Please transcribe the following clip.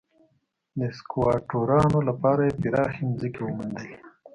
د سکواټورانو لپاره یې پراخې ځمکې وموندلې.